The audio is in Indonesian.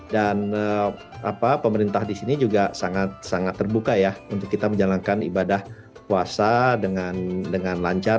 dan pemerintah di sini juga sangat terbuka ya untuk kita menjalankan ibadah puasa dengan lancar